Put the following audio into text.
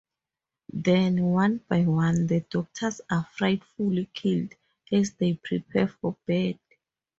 Then, one by one, the doctors are frightfully killed as they prepare for bed.